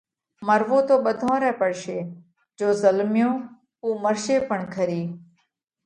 مروو تو ٻڌون رئہ پڙشي، جيو زلميو اُو مرشي پڻ کرِي۔